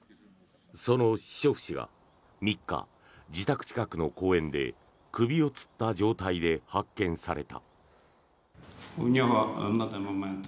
そのシショフ氏が３日自宅近くの公園で首をつった状態で発見された。